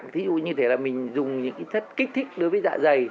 ví dụ như thế là mình dùng những cái chất kích thích đối với dạ dày